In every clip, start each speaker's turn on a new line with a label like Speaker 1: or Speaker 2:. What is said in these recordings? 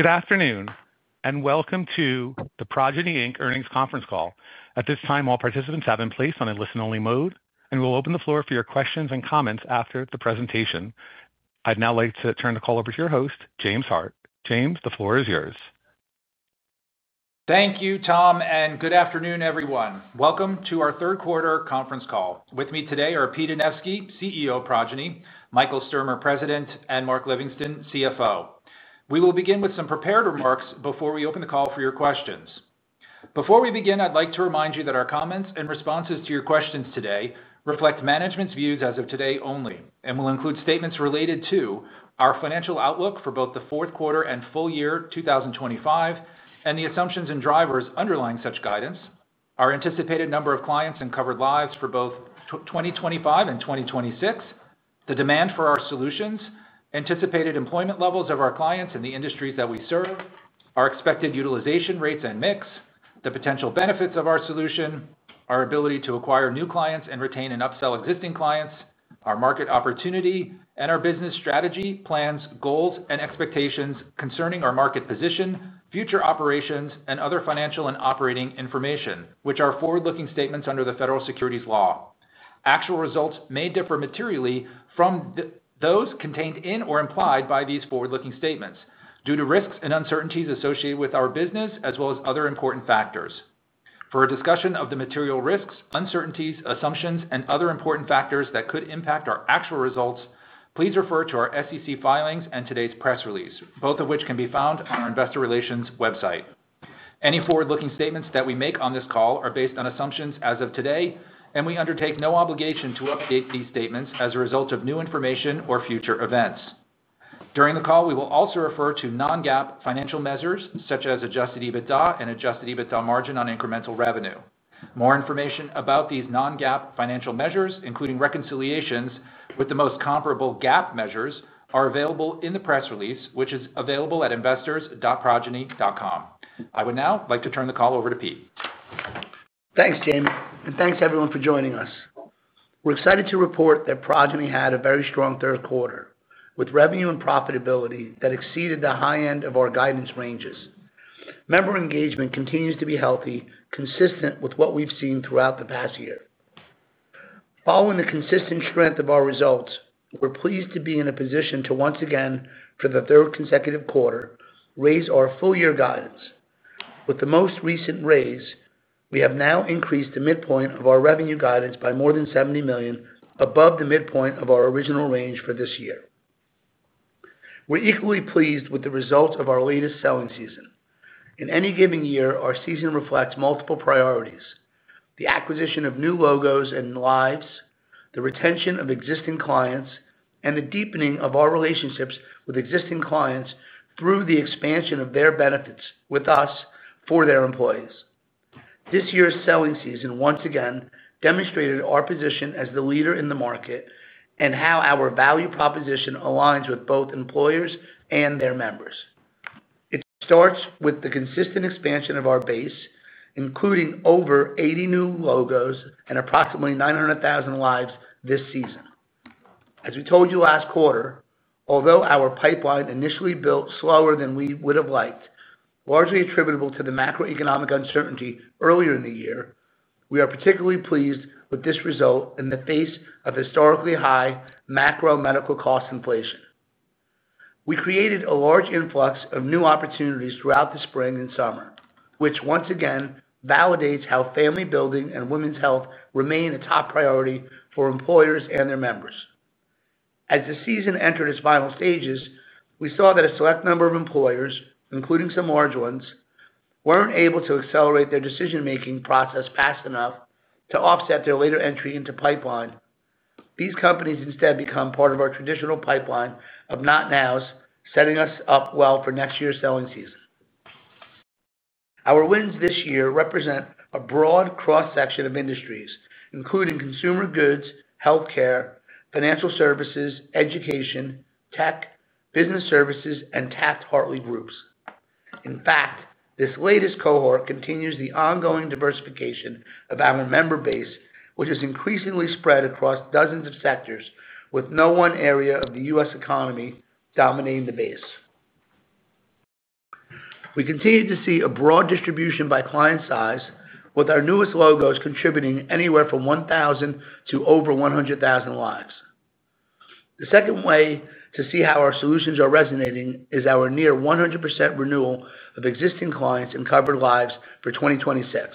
Speaker 1: Good afternoon and welcome to the Progyny earnings conference call. At this time, all participants have been placed on a listen-only mode, and we'll open the floor for your questions and comments after the presentation. I'd now like to turn the call over to your host, James Hart. James, the floor is yours.
Speaker 2: Thank you, Tom, and good afternoon, everyone. Welcome to our third quarter conference call. With me today are Pete Anevski, CEO of Progyny, Michael Sturmer, President, and Mark Livingston, CFO. We will begin with some prepared remarks before we open the call for your questions. Before we begin, I'd like to remind you that our comments and responses to your questions today reflect management's views as of today only and will include statements related to our financial outlook for both the fourth quarter and full year 2025, and the assumptions and drivers underlying such guidance, our anticipated number of clients and covered lives for both 2025 and 2026, the demand for our solutions, anticipated employment levels of our clients in the industries that we serve, our expected utilization rates and mix, the potential benefits of our solution, our ability to acquire new clients and retain and upsell existing clients, our market opportunity, and our business strategy, plans, goals, and expectations concerning our market position, future operations, and other financial and operating information, which are forward-looking statements under the federal securities law. Actual results may differ materially from those contained in or implied by these forward-looking statements due to risks and uncertainties associated with our business, as well as other important factors. For a discussion of the material risks, uncertainties, assumptions, and other important factors that could impact our actual results, please refer to our SEC filings and today's press release, both of which can be found on our investor relations website. Any forward-looking statements that we make on this call are based on assumptions as of today, and we undertake no obligation to update these statements as a result of new information or future events. During the call, we will also refer to non-GAAP financial measures such as Adjusted EBITDA and Adjusted EBITDA margin on incremental revenue. More information about these non-GAAP financial measures, including reconciliations with the most comparable GAAP measures, are available in the press release, which is available at investors.progyny.com. I would now like to turn the call over to Pete.
Speaker 3: Thanks, James, and thanks everyone for joining us. We're excited to report that Progyny had a very strong third quarter with revenue and profitability that exceeded the high end of our guidance ranges. Member engagement continues to be healthy, consistent with what we've seen throughout the past year. Following the consistent strength of our results, we're pleased to be in a position to once again, for the third consecutive quarter, raise our full year guidance. With the most recent raise, we have now increased the midpoint of our revenue guidance by more than $70 million, above the midpoint of our original range for this year. We're equally pleased with the results of our latest selling season. In any given year, our season reflects multiple priorities: the acquisition of new logos and lives, the retention of existing clients, and the deepening of our relationships with existing clients through the expansion of their benefits with us for their employees. This year's selling season once again demonstrated our position as the leader in the market and how our value proposition aligns with both employers and their members. It starts with the consistent expansion of our base, including over 80 new logos and approximately 900,000 lives this season. As we told you last quarter, although our pipeline initially built slower than we would have liked, largely attributable to the macroeconomic uncertainty earlier in the year, we are particularly pleased with this result in the face of historically high macro medical cost inflation. We created a large influx of new opportunities throughout the spring and summer, which once again validates how family building and women's health remain a top priority for employers and their members. As the season entered its final stages, we saw that a select number of employers, including some large ones, were not able to accelerate their decision-making process fast enough to offset their later entry into pipeline. These companies instead became part of our traditional pipeline of not-nows, setting us up well for next year's selling season. Our wins this year represent a broad cross-section of industries, including consumer goods, healthcare, financial services, education, tech, business services, and TPA and hourly groups. In fact, this latest cohort continues the ongoing diversification of our member base, which has increasingly spread across dozens of sectors, with no one area of the US economy dominating the base. We continue to see a broad distribution by client size, with our newest logos contributing anywhere from 1,000 to over 100,000 lives. The second way to see how our solutions are resonating is our near 100% renewal of existing clients and covered lives for 2026.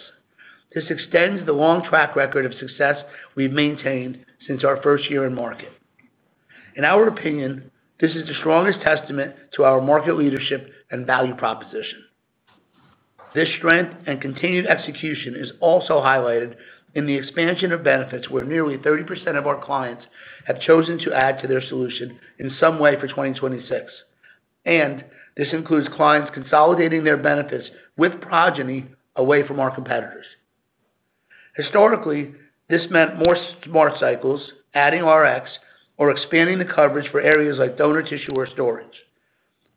Speaker 3: This extends the long track record of success we've maintained since our first year in market. In our opinion, this is the strongest testament to our market leadership and value proposition. This strength and continued execution is also highlighted in the expansion of benefits, where nearly 30% of our clients have chosen to add to their solution in some way for 2026. This includes clients consolidating their benefits with Progyny away from our competitors. Historically, this meant more smart cycles, adding Rx, or expanding the coverage for areas like donor tissue or storage.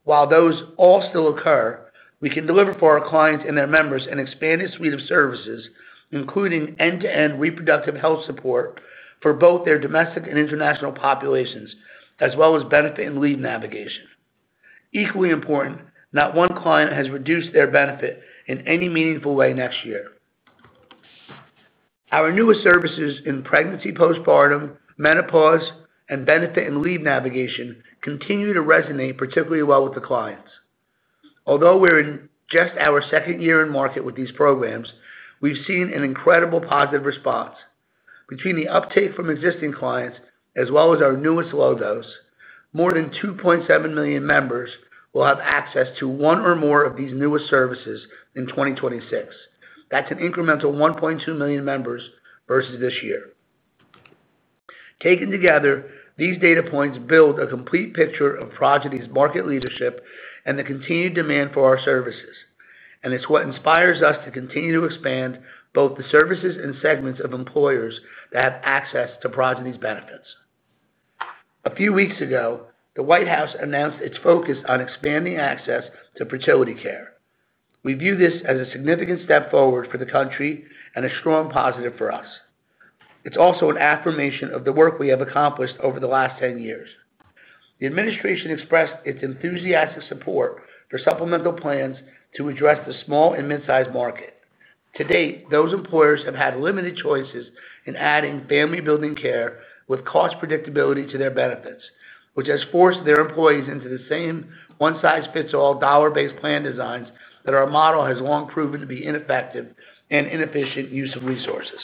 Speaker 3: While those all still occur, we can deliver for our clients and their members an expanded suite of services, including end-to-end reproductive health support for both their domestic and international populations, as well as benefit and lead navigation. Equally important, not one client has reduced their benefit in any meaningful way next year. Our newest services in pregnancy, postpartum, menopause, and benefit and lead navigation continue to resonate particularly well with the clients. Although we're in just our second year in market with these programs, we've seen an incredible positive response. Between the uptake from existing clients, as well as our newest logos, more than 2.7 million members will have access to one or more of these newest services in 2026. That's an incremental 1.2 million members vs this year. Taken together, these data points build a complete picture of Progyny's market leadership and the continued demand for our services. It is what inspires us to continue to expand both the services and segments of employers that have access to Progyny's benefits. A few weeks ago, the White House announced its focus on expanding access to fertility care. We view this as a significant step forward for the country and a strong positive for us. It is also an affirmation of the work we have accomplished over the last 10 years. The administration expressed its enthusiastic support for supplemental plans to address the small and mid-sized market. To date, those employers have had limited choices in adding family building care with cost predictability to their benefits, which has forced their employees into the same one-size-fits-all dollar-based plan designs that our model has long proven to be an ineffective and inefficient use of resources.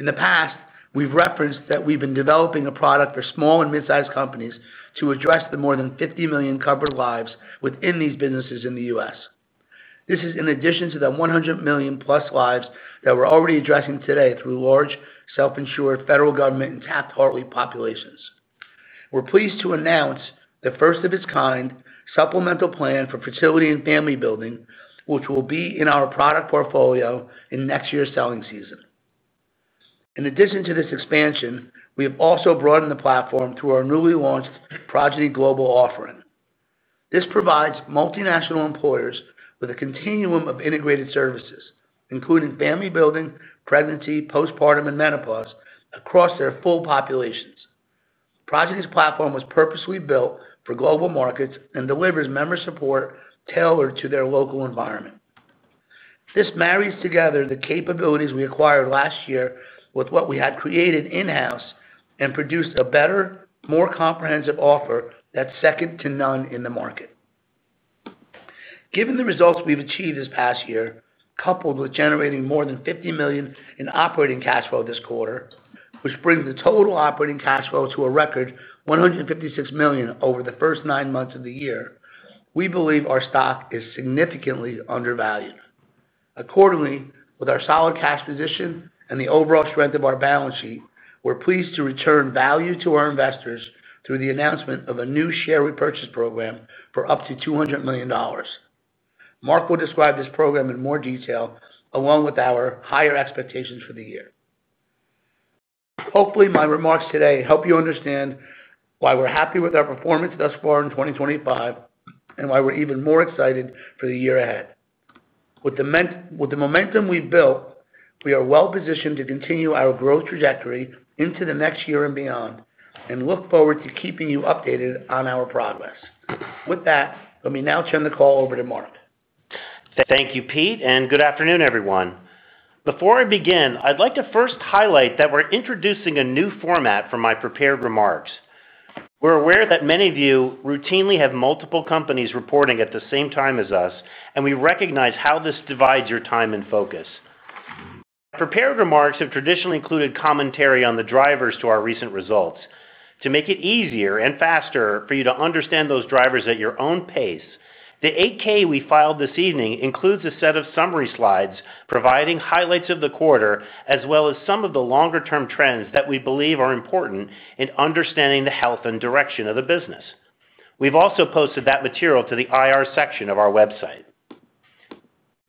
Speaker 3: In the past, we've referenced that we've been developing a product for small and mid-sized companies to address the more than 50 million covered lives within these businesses in the U.S. This is in addition to the 100 million+ lives that we're already addressing today through large, self-insured federal government and Taft-Hartley populations. We're pleased to announce the first of its kind supplemental plan for fertility and family building, which will be in our product portfolio in next year's selling season. In addition to this expansion, we have also broadened the platform through our newly launched Progyny Global Offering. This provides multinational employers with a continuum of integrated services, including family building, pregnancy, postpartum, and menopause across their full populations. Progyny's platform was purposely built for global markets and delivers member support tailored to their local environment. This marries together the capabilities we acquired last year with what we had created in-house and produced a better, more comprehensive offer that's second to none in the market. Given the results we've achieved this past year, coupled with generating more than $50 million in operating cash flow this quarter, which brings the total operating cash flow to a record $156 million over the first nine months of the year, we believe our stock is significantly undervalued. Accordingly, with our solid cash position and the overall strength of our balance sheet, we're pleased to return value to our investors through the announcement of a new share repurchase program for up to $200 million. Mark will describe this program in more detail, along with our higher expectations for the year. Hopefully, my remarks today help you understand why we're happy with our performance thus far in 2025 and why we're even more excited for the year ahead. With the momentum we've built, we are well positioned to continue our growth trajectory into the next year and beyond and look forward to keeping you updated on our progress. With that, let me now turn the call over to Mark.
Speaker 4: Thank you, Pete, and good afternoon, everyone. Before I begin, I'd like to first highlight that we're introducing a new format for my prepared remarks. We're aware that many of you routinely have multiple companies reporting at the same time as us, and we recognize how this divides your time and focus. Prepared remarks have traditionally included commentary on the drivers to our recent results. To make it easier and faster for you to understand those drivers at your own pace, the 8-K we filed this evening includes a set of summary slides providing highlights of the quarter, as well as some of the longer-term trends that we believe are important in understanding the health and direction of the business. We've also posted that material to the IR section of our website.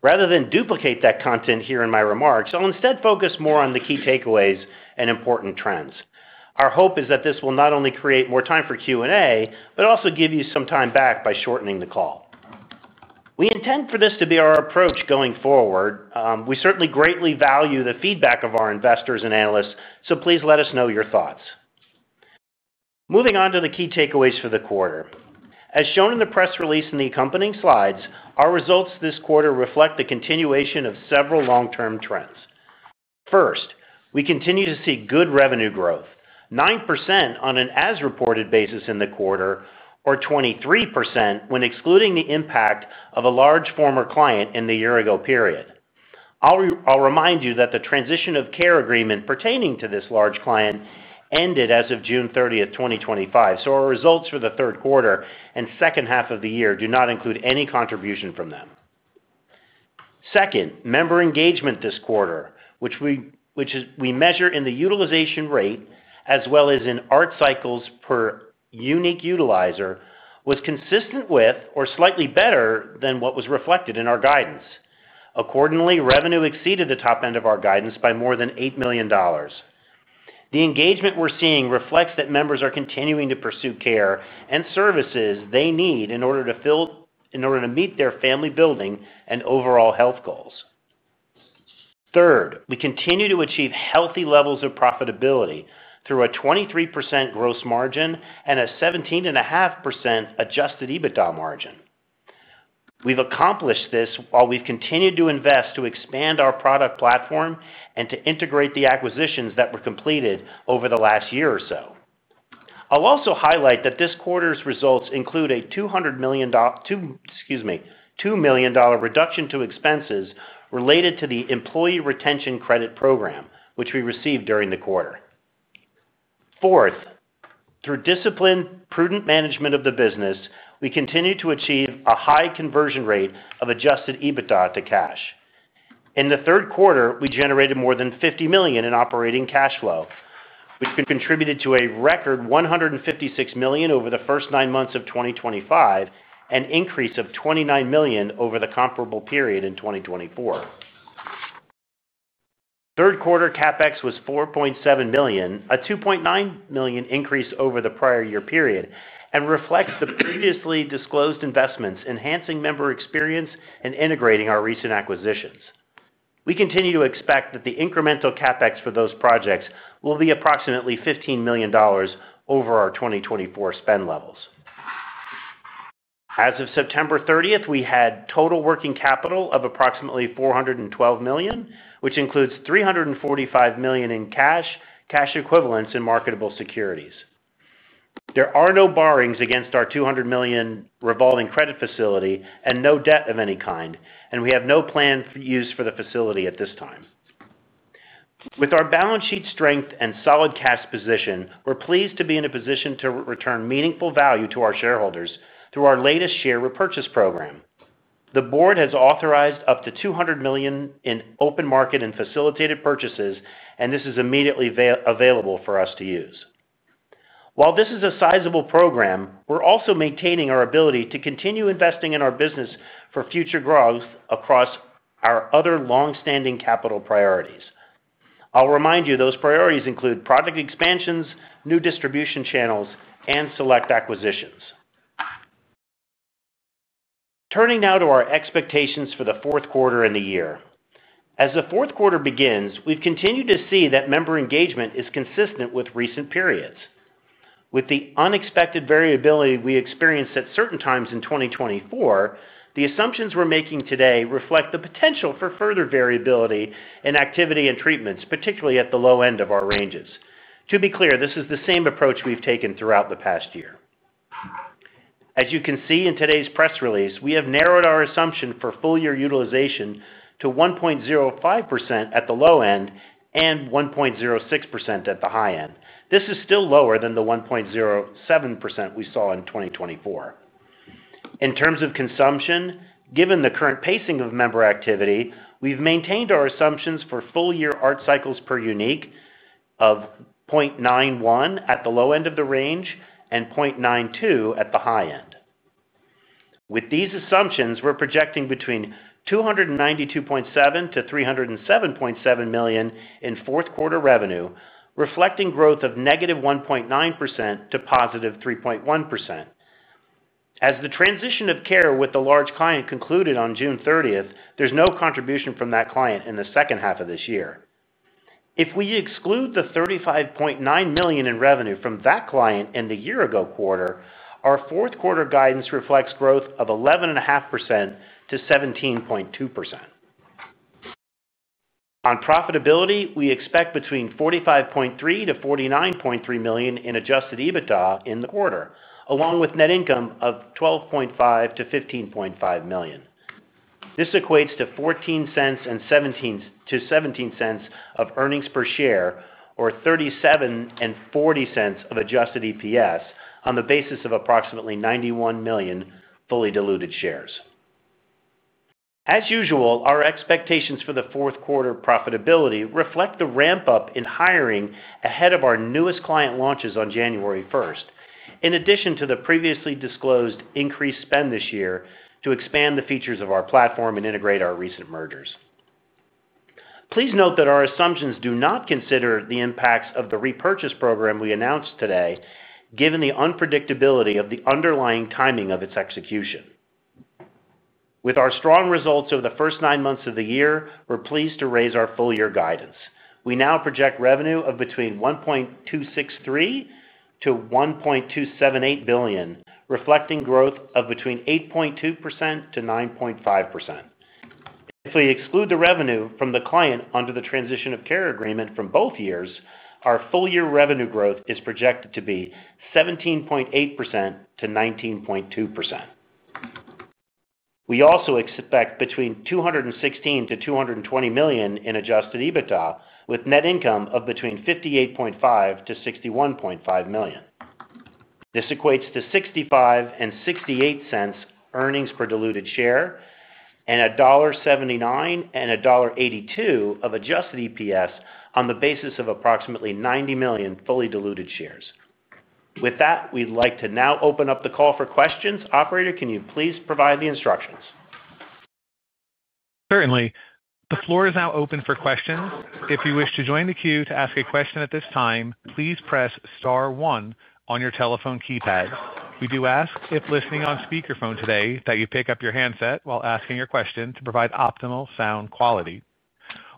Speaker 4: Rather than duplicate that content here in my remarks, I'll instead focus more on the key takeaways and important trends. Our hope is that this will not only create more time for Q&A, but also give you some time back by shortening the call. We intend for this to be our approach going forward. We certainly greatly value the feedback of our investors and analysts, so please let us know your thoughts. Moving on to the key takeaways for the quarter. As shown in the press release and the accompanying slides, our results this quarter reflect the continuation of several long-term trends. First, we continue to see good revenue growth, 9% on an as-reported basis in the quarter, or 23% when excluding the impact of a large former client in the year-ago period. I'll remind you that the transition of care agreement pertaining to this large client ended as of June 30, 2025, so our results for the third quarter and second half of the year do not include any contribution from them. Second, member engagement this quarter, which we measure in the utilization rate as well as in ART cycles per unique utilizer, was consistent with or slightly better than what was reflected in our guidance. Accordingly, revenue exceeded the top end of our guidance by more than $8 million. The engagement we're seeing reflects that members are continuing to pursue care and services they need in order to meet their family building and overall health goals. Third, we continue to achieve healthy levels of profitability through a 23% gross margin and a 17.5% Adjusted EBITDA margin. We've accomplished this while we've continued to invest to expand our product platform and to integrate the acquisitions that were completed over the last year or so. I'll also highlight that this quarter's results include a $200 million reduction to expenses related to the employee retention credit program, which we received during the quarter. Fourth, through disciplined, prudent management of the business, we continue to achieve a high conversion rate of Adjusted EBITDA to cash. In the third quarter, we generated more than $50 million in operating cash flow, which contributed to a record $156 million over the first nine months of 2025 and an increase of $29 million over the comparable period in 2024. Third quarter CapEx was $4.7 million, a $2.9 million increase over the prior year period, and reflects the previously disclosed investments, enhancing member experience and integrating our recent acquisitions. We continue to expect that the incremental CapEx for those projects will be approximately $15 million over our 2024 spend levels. As of September 30th, we had total working capital of approximately $412 million, which includes $345 million in cash, cash equivalents, and marketable securities. There are no borrowings against our $200 million revolving credit facility and no debt of any kind, and we have no planned use for the facility at this time. With our balance sheet strength and solid cash position, we're pleased to be in a position to return meaningful value to our shareholders through our latest share repurchase program. The board has authorized up to $200 million in open market and facilitated purchases, and this is immediately available for us to use. While this is a sizable program, we're also maintaining our ability to continue investing in our business for future growth across our other long-standing capital priorities. I'll remind you those priorities include product expansions, new distribution channels, and select acquisitions. Turning now to our expectations for the fourth quarter in the year. As the fourth quarter begins, we've continued to see that member engagement is consistent with recent periods. With the unexpected variability we experienced at certain times in 2024, the assumptions we're making today reflect the potential for further variability in activity and treatments, particularly at the low end of our ranges. To be clear, this is the same approach we've taken throughout the past year. As you can see in today's press release, we have narrowed our assumption for full year utilization to 1.05% at the low end and 1.06% at the high end. This is still lower than the 1.07% we saw in 2024. In terms of consumption, given the current pacing of member activity, we've maintained our assumptions for full year ART cycles per unique of 0.91 at the low end of the range and 0.92 at the high end. With these assumptions, we're projecting between $292.7 million-$307.7 million in fourth quarter revenue, reflecting growth of -1.9% to +3.1%. As the transition of care with the large client concluded on June 30th, there's no contribution from that client in the second half of this year. If we exclude the $35.9 million in revenue from that client in the year-ago quarter, our fourth quarter guidance reflects growth of 11.5%-17.2%. On profitability, we expect between $45.3 million-$49.3 million in Adjusted EBITDA in the quarter, along with net income of $12.5 million-$15.5 million. This equates to $0.14 and $0.17 of earnings per share, or $0.37 and $0.40 of Adjusted EPS on the basis of approximately 91 million fully diluted shares. As usual, our expectations for the fourth quarter profitability reflect the ramp-up in hiring ahead of our newest client launches on January 1st, in addition to the previously disclosed increased spend this year to expand the features of our platform and integrate our recent mergers. Please note that our assumptions do not consider the impacts of the repurchase program we announced today, given the unpredictability of the underlying timing of its execution. With our strong results over the first nine months of the year, we're pleased to raise our full year guidance. We now project revenue of between $1.263 billion and $1.278 billion, reflecting growth of between 8.2% and 9.5%. If we exclude the revenue from the client under the transition of care agreement from both years, our full year revenue growth is projected to be 17.8%-19.2%. We also expect between $216 million-$220 million in Adjusted EBITDA, with net income of between $58.5 million-$61.5 million. This equates to $0.65 and $0.68 earnings per diluted share and $1.79 and $1.82 of Adjusted EPS on the basis of approximately 90 million fully diluted shares. With that, we'd like to now open up the call for questions. Operator, can you please provide the instructions?
Speaker 1: Certainly. The floor is now open for questions. If you wish to join the queue to ask a question at this time, please press star one on your telephone keypad. We do ask if listening on speakerphone today that you pick up your handset while asking your question to provide optimal sound quality.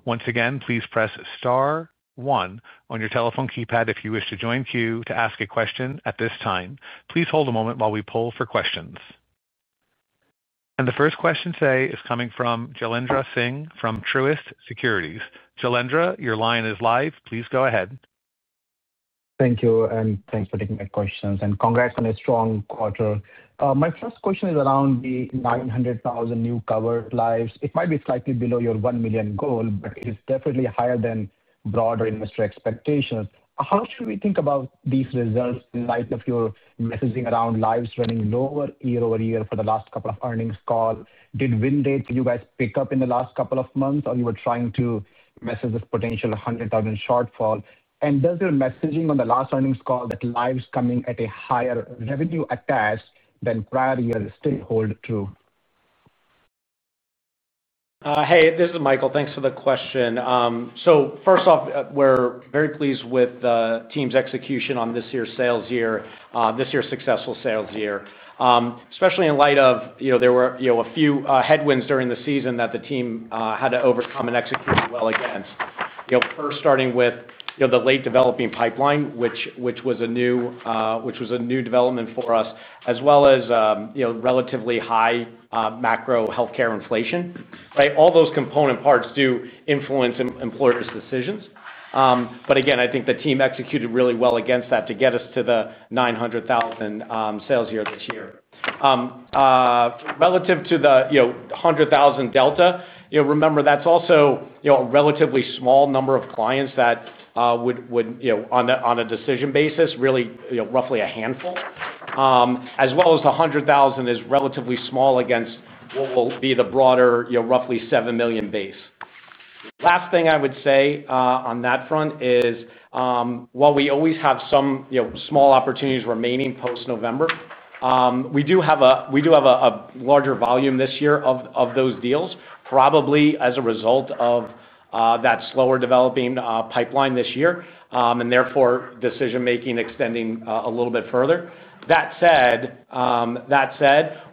Speaker 1: Once again, please press star one on your telephone keypad if you wish to join the queue to ask a question at this time. Please hold a moment while we poll for questions. The first question today is coming from Jailendra Singh from Truist Securities. Jailendra, your line is live. Please go ahead.
Speaker 5: Thank you, and thanks for taking my questions, and congrats on a strong quarter. My first question is around the 900,000 new covered lives. It might be slightly below your 1 million goal, but it is definitely higher than broader investor expectations. How should we think about these results in light of your messaging around lives running lower year-over-year for the last couple of earnings calls? Did win rates for you guys pick up in the last couple of months, or you were trying to message this potential 100,000 shortfall? Does your messaging on the last earnings call that lives coming at a higher revenue attached than prior year stay hold true?
Speaker 6: Hey, this is Michael. Thanks for the question. First off, we're very pleased with the team's execution on this year's sales year, this year's successful sales year, especially in light of there were a few headwinds during the season that the team had to overcome and execute well against. First, starting with the late developing pipeline, which was a new development for us, as well as relatively high macro healthcare inflation. All those component parts do influence employers' decisions. Again, I think the team executed really well against that to get us to the 900,000 sales year this year. Relative to the 100,000 delta, remember, that's also a relatively small number of clients that would, on a decision basis, really roughly a handful. As well as the 100,000 is relatively small against what will be the broader roughly 7 million base. Last thing I would say on that front is, while we always have some small opportunities remaining post-November, we do have a larger volume this year of those deals, probably as a result of that slower developing pipeline this year, and therefore decision-making extending a little bit further. That said,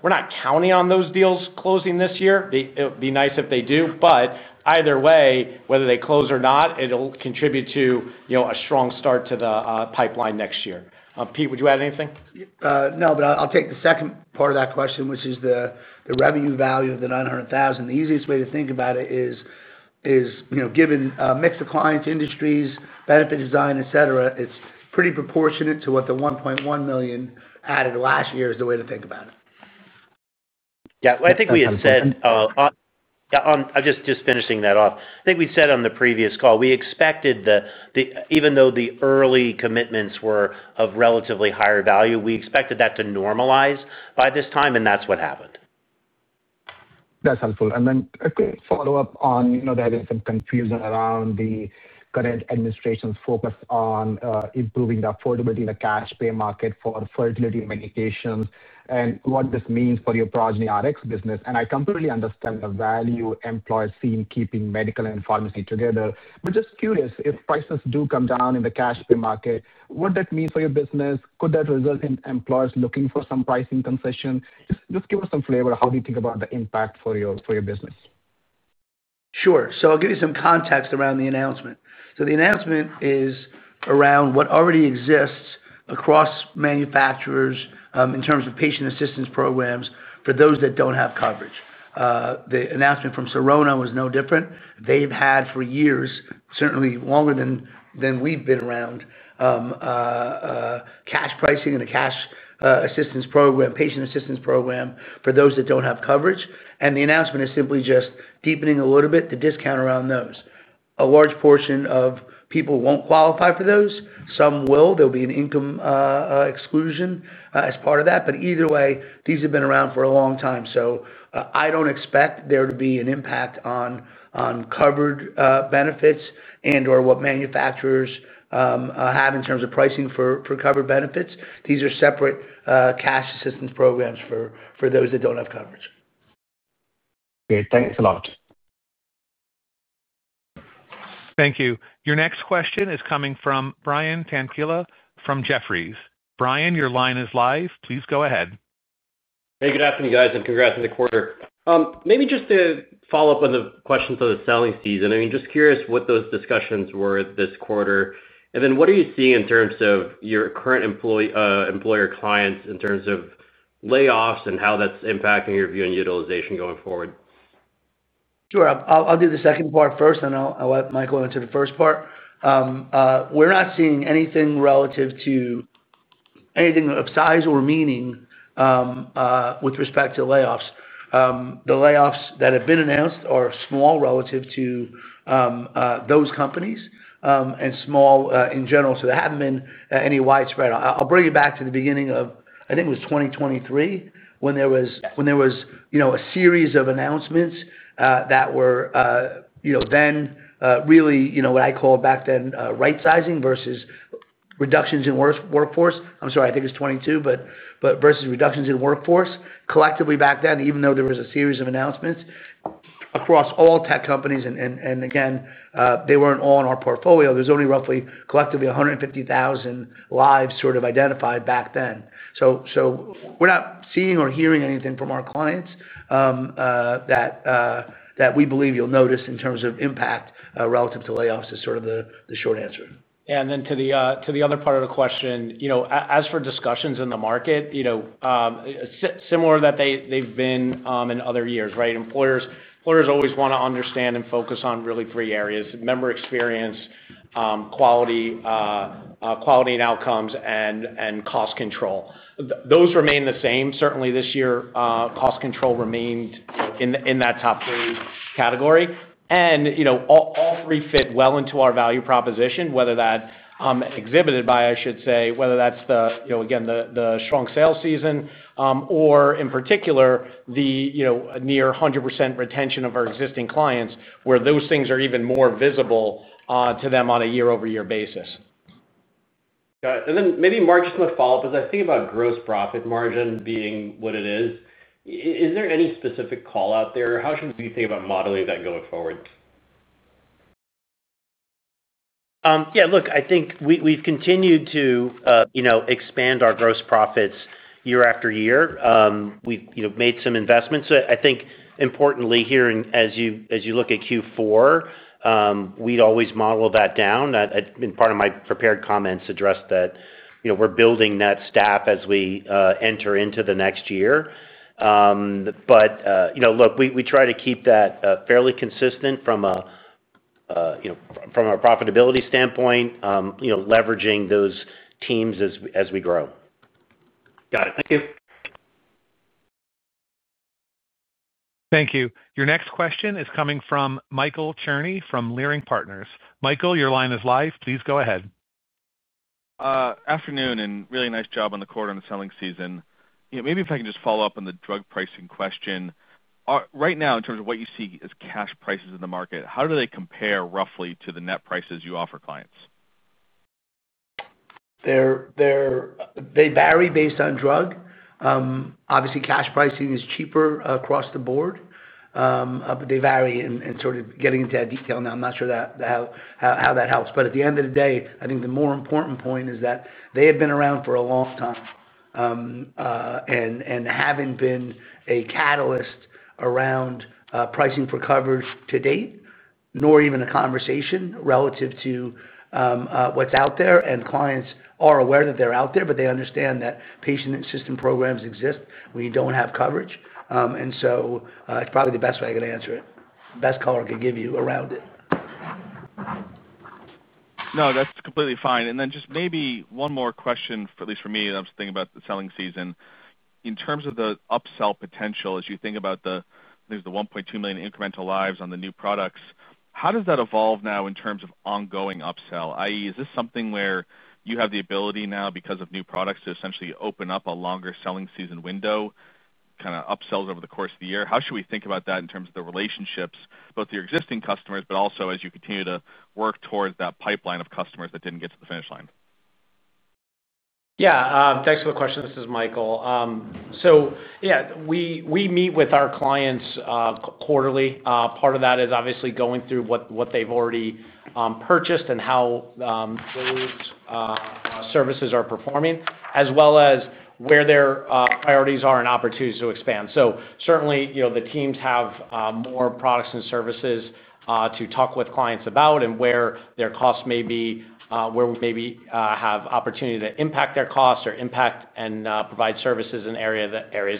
Speaker 6: we're not counting on those deals closing this year. It would be nice if they do, but either way, whether they close or not, it'll contribute to a strong start to the pipeline next year. Pete, would you add anything?
Speaker 3: No, but I'll take the second part of that question, which is the revenue value of the 900,000. The easiest way to think about it is, given mixed appliance industries, benefit design, etc., it's pretty proportionate to what the 1.1 million added last year is the way to think about it.
Speaker 6: Yeah, I think we had said. On. I'm just finishing that off. I think we said on the previous call, we expected that even though the early commitments were of relatively higher value, we expected that to normalize by this time, and that's what happened.
Speaker 5: That's helpful. A quick follow-up on there being some confusion around the current administration's focus on improving the affordability in the cash pay market for fertility medications and what this means for your Progyny Rx business. I completely understand the value employers see in keeping medical and pharmacy together, but just curious, if prices do come down in the cash pay market, what that means for your business? Could that result in employers looking for some pricing concession? Just give us some flavor of how you think about the impact for your business?
Speaker 3: Sure. I'll give you some context around the announcement. The announcement is around what already exists across manufacturers in terms of patient assistance programs for those that do not have coverage. The announcement from Sirona was no different. They've had for years, certainly longer than we've been around, cash pricing and a cash assistance program, patient assistance program for those that do not have coverage. The announcement is simply just deepening a little bit the discount around those. A large portion of people will not qualify for those. Some will. There will be an income exclusion as part of that. Either way, these have been around for a long time. I do not expect there to be an impact on covered benefits and/or what manufacturers have in terms of pricing for covered benefits. These are separate cash assistance programs for those that do not have coverage.
Speaker 5: Okay. Thanks a lot.
Speaker 1: Thank you. Your next question is coming from Brian Tanquilut from Jefferies. Brian, your line is live. Please go ahead.
Speaker 7: Hey, good afternoon, guys, and congrats on the quarter. Maybe just to follow up on the questions of the selling season, I mean, just curious what those discussions were this quarter. What are you seeing in terms of your current employer clients in terms of layoffs and how that's impacting your view and utilization going forward?
Speaker 3: Sure. I'll do the second part first, and I'll let Michael answer the first part. We're not seeing anything relative to anything of size or meaning with respect to layoffs. The layoffs that have been announced are small relative to those companies and small in general. There haven't been any widespread. I'll bring it back to the beginning of, I think it was 2023, when there was a series of announcements that were then really what I called back then right-sizing versus reductions in workforce. I'm sorry, I think it's 2022, but versus reductions in workforce collectively back then, even though there was a series of announcements across all tech companies. They weren't all in our portfolio. There were only roughly collectively 150,000 lives sort of identified back then. We're not seeing or hearing anything from our clients that. We believe you'll notice in terms of impact relative to layoffs is sort of the short answer.
Speaker 6: Yeah. To the other part of the question, as for discussions in the market, similar that they've been in other years, right? Employers always want to understand and focus on really three areas: member experience, quality and outcomes, and cost control. Those remain the same. Certainly, this year, cost control remained in that top three category. All three fit well into our value proposition, whether that's exhibited by, I should say, whether that's the, again, the strong sales season, or in particular, the near 100% retention of our existing clients, where those things are even more visible to them on a year-over-year basis.
Speaker 7: Got it. Maybe Mark, just in a follow-up, as I think about gross profit margin being what it is, is there any specific call out there? How should we think about modeling that going forward?
Speaker 4: Yeah. Look, I think we've continued to expand our gross profits year after year. We've made some investments. I think importantly here, as you look at Q4, we'd always model that down. In part of my prepared comments, I addressed that we're building that staff as we enter into the next year. Look, we try to keep that fairly consistent from a profitability standpoint, leveraging those teams as we grow.
Speaker 7: Got it. Thank you.
Speaker 1: Thank you. Your next question is coming from Michael Cherny from Leerink Partners. Michael, your line is live. Please go ahead.
Speaker 8: Afternoon, and really nice job on the quarter and the selling season. Maybe if I can just follow up on the drug pricing question. Right now, in terms of what you see as cash prices in the market, how do they compare roughly to the net prices you offer clients?
Speaker 3: They vary based on drug. Obviously, cash pricing is cheaper across the board. They vary in sort of getting into that detail. I'm not sure how that helps. At the end of the day, I think the more important point is that they have been around for a long time. Having been a catalyst around pricing for coverage to date, nor even a conversation relative to what's out there. Clients are aware that they're out there, but they understand that patient assistance programs exist when you don't have coverage. It's probably the best way I could answer it, best color I could give you around it.
Speaker 8: No, that's completely fine. And then just maybe one more question, at least for me, I'm just thinking about the selling season. In terms of the upsell potential, as you think about the 1.2 million incremental lives on the new products, how does that evolve now in terms of ongoing upsell? I.e., is this something where you have the ability now because of new products to essentially open up a longer selling season window, kind of upsells over the course of the year? How should we think about that in terms of the relationships, both your existing customers, but also as you continue to work towards that pipeline of customers that didn't get to the finish line?
Speaker 6: Yeah. Thanks for the question. This is Michael. Yeah, we meet with our clients quarterly. Part of that is obviously going through what they've already purchased and how those services are performing, as well as where their priorities are and opportunities to expand. Certainly, the teams have more products and services to talk with clients about and where their costs may be, where we maybe have opportunity to impact their costs or impact and provide services in areas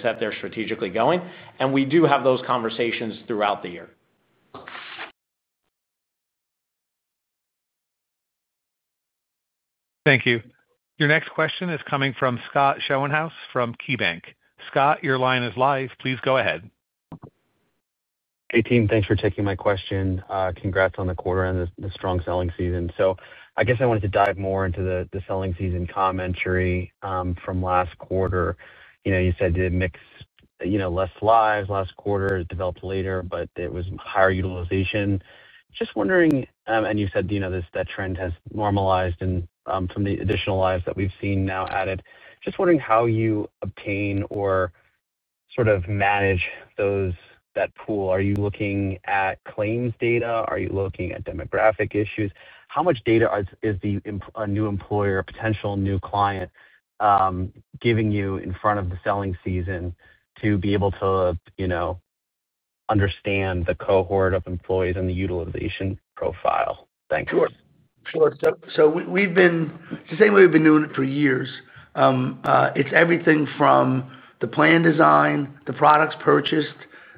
Speaker 6: that they're strategically going. We do have those conversations throughout the year.
Speaker 1: Thank you. Your next question is coming from Scott Schoenhaus from KeyBanc. Scott, your line is live. Please go ahead.
Speaker 9: Hey, team. Thanks for taking my question. Congrats on the quarter and the strong selling season. I guess I wanted to dive more into the selling season commentary from last quarter. You said they had mixed less lives last quarter, developed later, but it was higher utilization. Just wondering, and you said that trend has normalized from the additional lives that we've seen now added. Just wondering how you obtain or sort of manage that pool. Are you looking at claims data? Are you looking at demographic issues? How much data is the new employer, potential new client, giving you in front of the selling season to be able to understand the cohort of employees and the utilization profile? Thanks.
Speaker 3: Sure. Sure. The same way we've been doing it for years. It's everything from the plan design, the products purchased,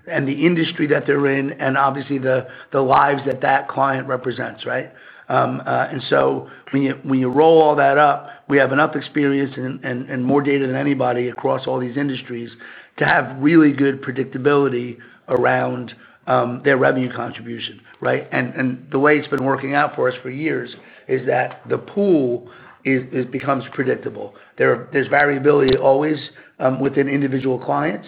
Speaker 3: and the industry that they're in, and obviously the lives that that client represents, right? When you roll all that up, we have enough experience and more data than anybody across all these industries to have really good predictability around their revenue contribution, right? The way it's been working out for us for years is that the pool becomes predictable. There's variability always within individual clients.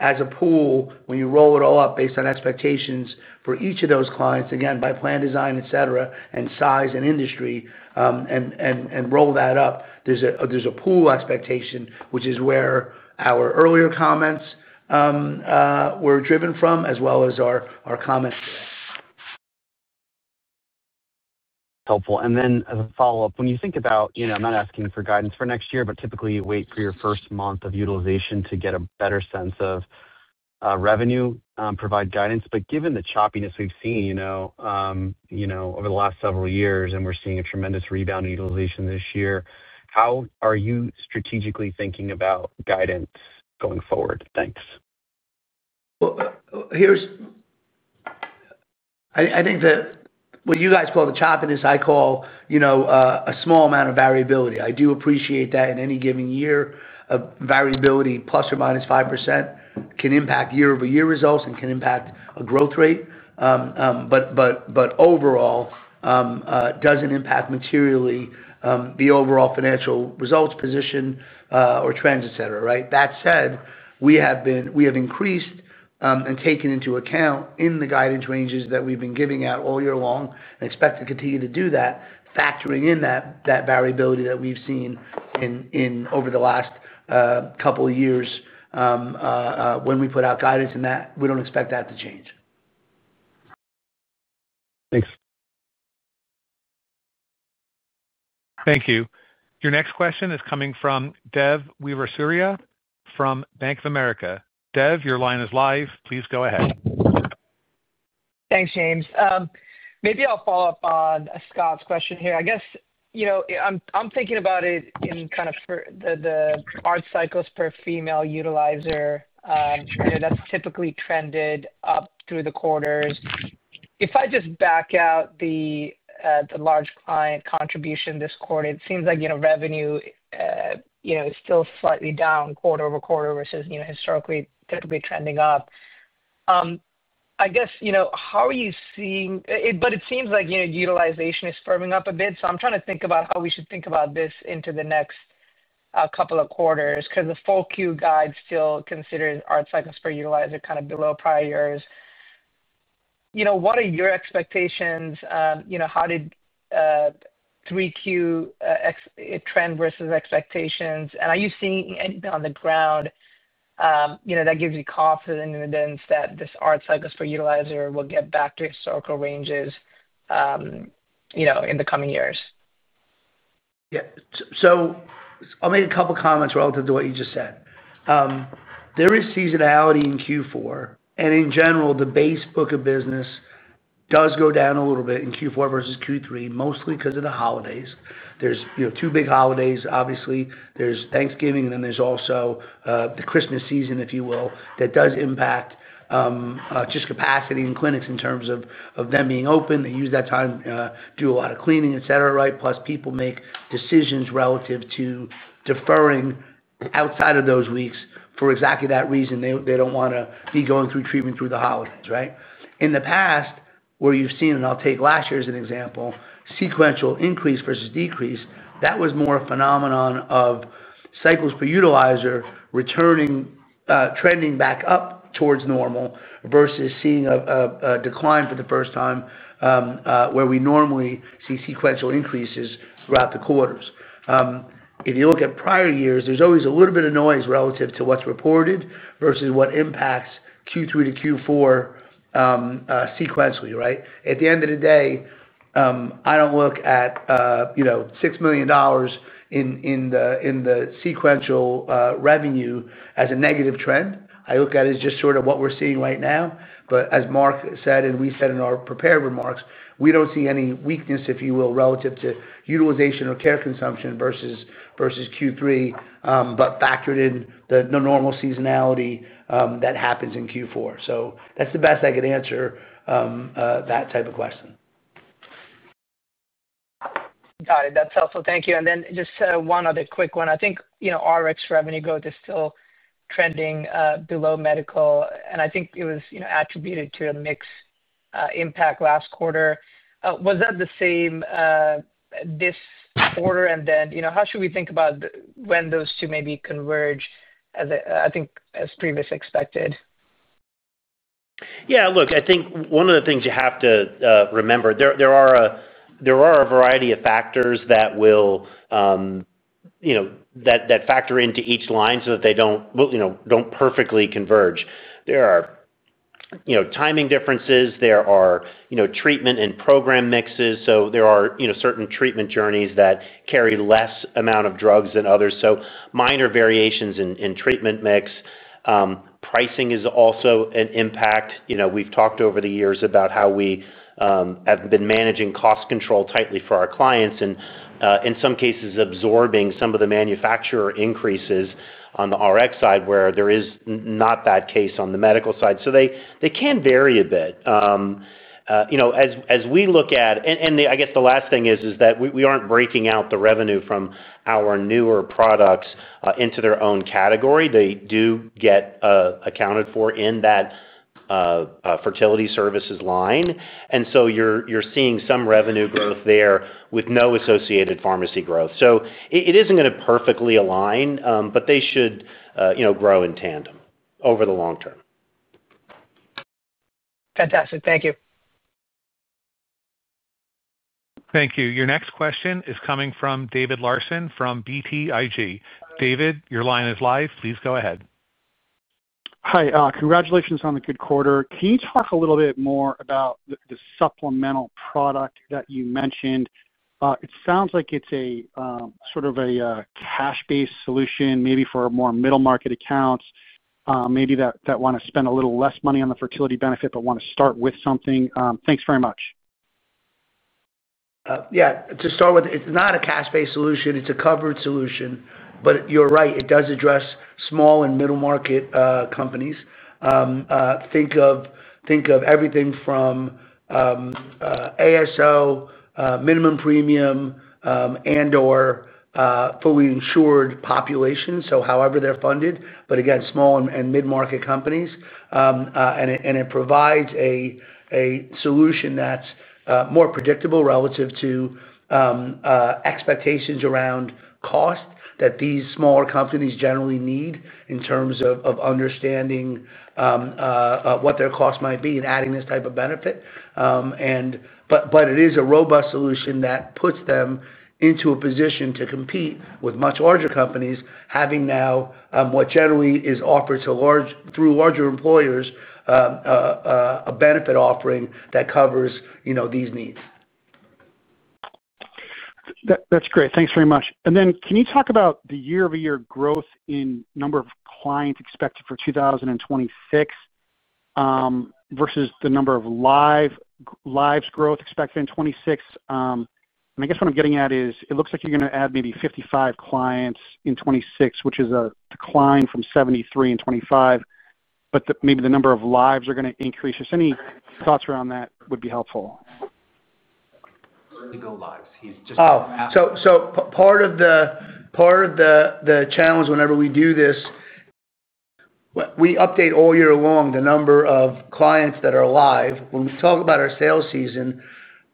Speaker 3: As a pool, when you roll it all up based on expectations for each of those clients, again, by plan design, etc., and size and industry, and roll that up, there's a pool expectation, which is where our earlier comments were driven from, as well as our comments today.
Speaker 9: Helpful. Then as a follow-up, when you think about, I'm not asking for guidance for next year, but typically you wait for your first month of utilization to get a better sense of revenue, provide guidance. Given the choppiness we've seen over the last several years, and we're seeing a tremendous rebound in utilization this year, how are you strategically thinking about guidance going forward? Thanks.
Speaker 3: I think that what you guys call the choppiness, I call a small amount of variability. I do appreciate that in any given year, variability plus or minus 5% can impact year-over-year results and can impact a growth rate. Overall, it does not impact materially the overall financial results position or trends, etc., right? That said, we have increased and taken into account in the guidance ranges that we have been giving out all year long and expect to continue to do that, factoring in that variability that we have seen over the last couple of years. When we put out guidance in that, we do not expect that to change.
Speaker 9: Thanks.
Speaker 1: Thank you. Your next question is coming from Dev Weerasuriya from Bank of America. Dev, your line is live. Please go ahead.
Speaker 10: Thanks, James. Maybe I'll follow up on Scott's question here. I guess I'm thinking about it in kind of the odd cycles per female utilizer. That's typically trended up through the quarters. If I just back out the large client contribution this quarter, it seems like revenue is still slightly down quarter over quarter versus historically typically trending up. I guess, how are you seeing? It seems like utilization is firming up a bit. I'm trying to think about how we should think about this into the next couple of quarters because the full Q guide still considers odd cycles per utilizer kind of below prior years. What are your expectations? How did 3Q trend vs expectations? Are you seeing anything on the ground that gives you confidence that this odd cycles per utilizer will get back to historical ranges in the coming years?
Speaker 3: Yeah. I'll make a couple of comments relative to what you just said. There is seasonality in Q4. In general, the base book of business does go down a little bit in Q4 vs Q3, mostly because of the holidays. There are two big holidays, obviously. There's Thanksgiving, and then there's also the Christmas season, if you will, that does impact just capacity in clinics in terms of them being open. They use that time to do a lot of cleaning, etc., right? Plus, people make decisions relative to deferring outside of those weeks for exactly that reason. They do not want to be going through treatment through the holidays, right? In the past, where you've seen, and I'll take last year as an example, sequential increase versus decrease, that was more a phenomenon of. Cycles per utilizer trending back up towards normal versus seeing a decline for the first time. Where we normally see sequential increases throughout the quarters. If you look at prior years, there's always a little bit of noise relative to what's reported versus what impacts Q3-Q4. Sequentially, right? At the end of the day, I don't look at $6 million in the sequential revenue as a negative trend. I look at it as just sort of what we're seeing right now. As Mark said, and we said in our prepared remarks, we don't see any weakness, if you will, relative to utilization or care consumption versus Q3, but factored in the normal seasonality that happens in Q4. That's the best I could answer that type of question.
Speaker 10: Got it. That's helpful. Thank you. Just one other quick one. I think R revenue growth is still trending below medical. I think it was attributed to a mix impact last quarter. Was that the same this quarter? How should we think about when those two maybe converge? I think as previously expected?
Speaker 6: Yeah. Look, I think one of the things you have to remember, there are a variety of factors that will, that factor into each line so that they do not perfectly converge. There are timing differences. There are treatment and program mixes. There are certain treatment journeys that carry less amount of drugs than others. Minor variations in treatment mix. Pricing is also an impact. We have talked over the years about how we have been managing cost control tightly for our clients, and in some cases, absorbing some of the manufacturer increases on the Rx side, where there is not that case on the medical side. They can vary a bit. As we look at, and I guess the last thing is that we are not breaking out the revenue from our newer products into their own category. They do get accounted for in that fertility services line. You are seeing some revenue growth there with no associated pharmacy growth. It is not going to perfectly align, but they should grow in tandem over the long term.
Speaker 10: Fantastic. Thank you.
Speaker 1: Thank you. Your next question is coming from David Larsen from BTIG. David, your line is live. Please go ahead.
Speaker 11: Hi. Congratulations on the good quarter. Can you talk a little bit more about the supplemental product that you mentioned? It sounds like it's sort of a cash-based solution, maybe for more middle-market accounts, maybe that want to spend a little less money on the fertility benefit, but want to start with something. Thanks very much.
Speaker 3: Yeah. To start with, it's not a cash-based solution. It's a covered solution. But you're right. It does address small and middle-market companies. Think of everything from ASO, minimum premium, and/or fully insured populations, so however they're funded, but again, small and mid-market companies. And it provides a solution that's more predictable relative to expectations around cost that these smaller companies generally need in terms of understanding what their cost might be and adding this type of benefit. But it is a robust solution that puts them into a position to compete with much larger companies, having now what generally is offered through larger employers. A benefit offering that covers these needs.
Speaker 11: That's great. Thanks very much. Can you talk about the year-over-year growth in number of clients expected for 2026 versus the number of lives growth expected in 2026? I guess what I'm getting at is it looks like you're going to add maybe 55 clients in 2026, which is a decline from 73 in 2025. Maybe the number of lives are going to increase. Just any thoughts around that would be helpful.
Speaker 6: Early go-lives. He's just. Oh. Part of the challenge whenever we do this, we update all year long the number of clients that are live. When we talk about our sales season,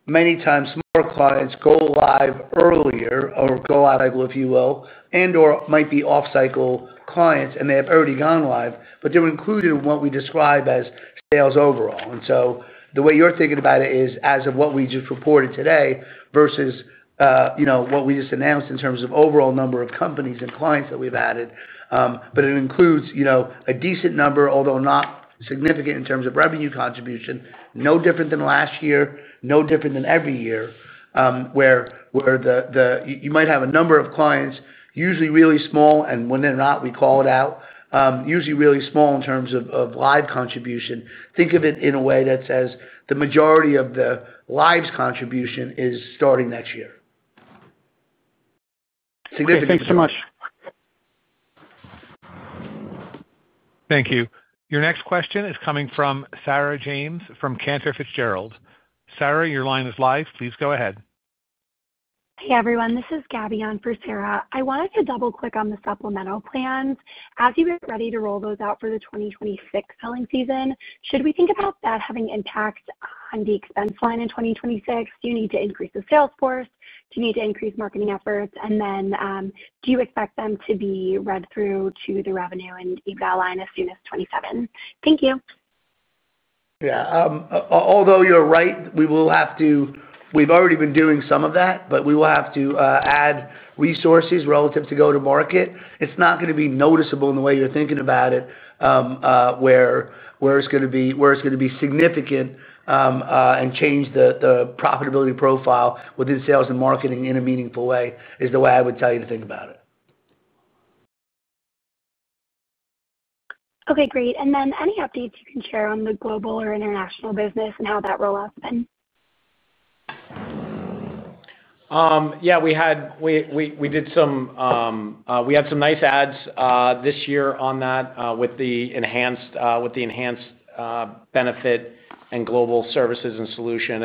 Speaker 6: many times more clients go live earlier or go out, if you will, and/or might be off-cycle clients, and they have already gone live. They are included in what we describe as sales overall. The way you're thinking about it is as of what we just reported today versus what we just announced in terms of overall number of companies and clients that we've added. It includes a decent number, although not significant in terms of revenue contribution, no different than last year, no different than every year, where you might have a number of clients, usually really small, and when they're not, we call it out, usually really small in terms of live contribution. Think of it in a way that says the majority of the lives contribution is starting next year. Significant.
Speaker 11: Thank you so much.
Speaker 1: Thank you. Your next question is coming from Sarah James from Cantor Fitzgerald. Sarah, your line is live. Please go ahead.
Speaker 12: Hey, everyone. This is Gabie on for Sarah. I wanted to double-click on the supplemental plans. As you get ready to roll those out for the 2026 selling season, should we think about that having impact on the expense line in 2026? Do you need to increase the sales force? Do you need to increase marketing efforts? Do you expect them to be read through to the revenue and EBITDA line as soon as 2027? Thank you.
Speaker 3: Yeah. Although you're right, we will have to. We've already been doing some of that, but we will have to add resources relative to go-to-market. It's not going to be noticeable in the way you're thinking about it. Where it's going to be significant and change the profitability profile within sales and marketing in a meaningful way is the way I would tell you to think about it.
Speaker 12: Okay. Great. Any updates you can share on the global or international business and how that roll-out's been?
Speaker 6: Yeah. We did some. We had some nice adds this year on that with the enhanced benefit and global services and solution.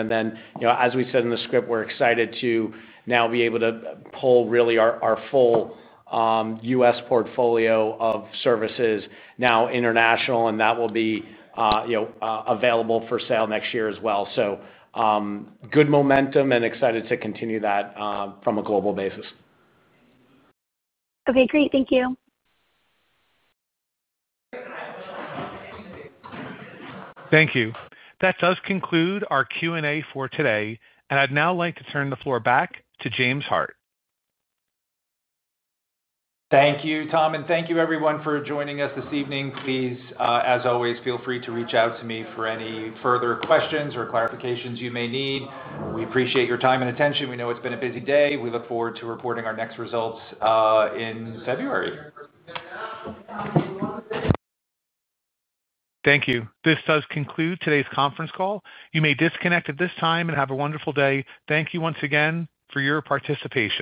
Speaker 6: As we said in the script, we're excited to now be able to pull really our full U.S. portfolio of services now international, and that will be available for sale next year as well. Good momentum and excited to continue that from a global basis.
Speaker 12: Okay. Great. Thank you.
Speaker 1: Thank you. That does conclude our Q&A for today. I would now like to turn the floor back to James Hart.
Speaker 2: Thank you, Tom. Thank you, everyone, for joining us this evening. Please, as always, feel free to reach out to me for any further questions or clarifications you may need. We appreciate your time and attention. We know it's been a busy day. We look forward to reporting our next results in February.
Speaker 1: Thank you. This does conclude today's conference call. You may disconnect at this time and have a wonderful day. Thank you once again for your participation.